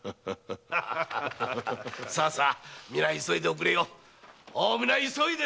さあさあみな急いでおくれよ！